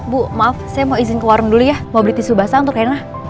bu maaf saya mau izin ke warung dulu ya mau beli tisu basah untuk enak